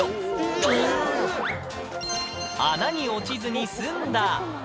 穴に落ちずに済んだ。